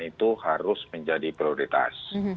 itu harus menjadi prioritas